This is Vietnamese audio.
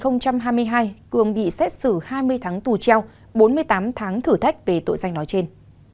năm hai nghìn hai mươi hai cường bị xét xử hai mươi tháng tù treo bốn mươi tám tháng thử thách về tội danh nói trên